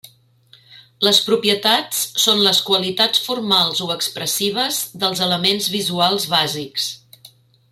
Les propietats són les qualitats formals o expressives dels elements visuals bàsics.